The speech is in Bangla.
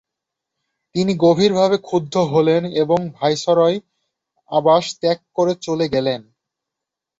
তিনি গভীরভাবে ক্ষুব্ধ হলেন এবং ভাইসরয়র আবাস ত্যাগ করে চলে যান।